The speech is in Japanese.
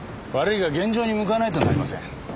悪いが現場に向かわないとなりません。